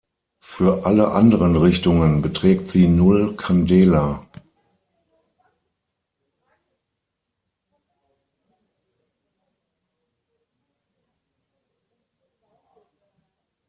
Für alle anderen Richtungen beträgt sie null Candela.